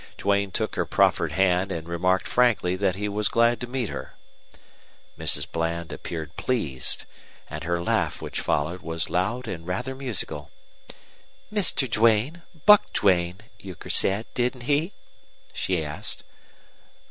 Duane took her proffered hand and remarked frankly that he was glad to meet her. Mrs. Bland appeared pleased; and her laugh, which followed, was loud and rather musical. "Mr. Duane Buck Duane, Euchre said, didn't he?" she asked.